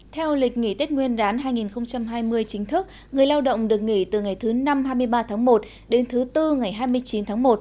theo lịch nghỉ tết nguyên đán hai nghìn hai mươi chính thức người lao động được nghỉ từ ngày thứ năm hai mươi ba tháng một đến thứ bốn ngày hai mươi chín tháng một